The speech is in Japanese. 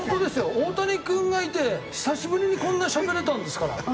大谷君がいて久しぶりにこんなしゃべれたんですから。